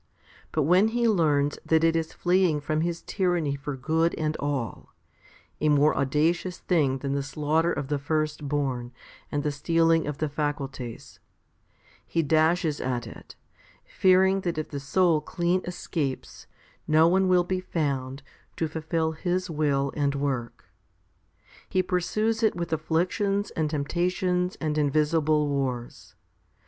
But when he learns that it is fleeing from his tyranny for good and all a more audacious thing than the slaughter of the firstborn and the stealing of the faculties he dashes at it, fearing that if the soul clean escapes, no one will be found to fulfil his will and work. He pursues it with afflictions and temptations and invisible wars.